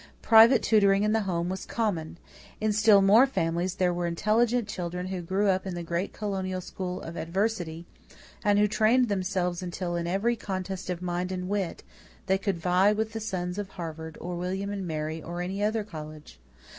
Private tutoring in the home was common. In still more families there were intelligent children who grew up in the great colonial school of adversity and who trained themselves until, in every contest of mind and wit, they could vie with the sons of Harvard or William and Mary or any other college.